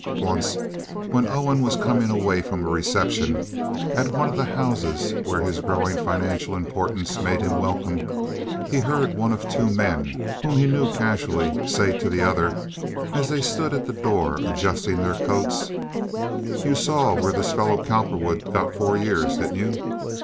Once, when Owen was coming away from a reception at one of the houses where his growing financial importance made him welcome, he heard one of two men whom he knew casually, say to the other, as they stood at the door adjusting their coats, "You saw where this fellow Cowperwood got four years, didn't you?"